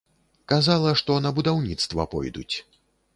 Казала, што на будаўніцтва пойдуць.